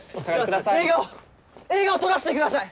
すみ映画を映画を撮らせてください！